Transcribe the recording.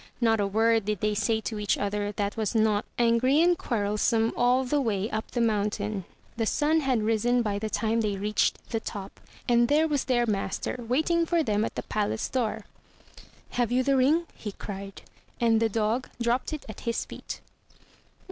Not a word did they say to each other that was not angry and quarrelsome all the way up the moun tain. The sun had risen by the time they reached the top; and there was their master waiting for them at the palace door. "Have you the ring?" he cried. And the dog dropped it at his feet.